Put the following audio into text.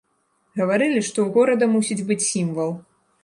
Гаварылі, што ў горада мусіць быць сімвал.